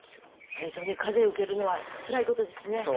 最初に風受けるのはつらいことですね。